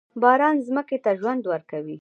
باران ځمکې ته ژوند ورکوي.